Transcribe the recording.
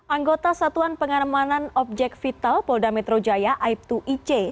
anggota satuan pengaramanan objek vital polda metro jaya aip dua ic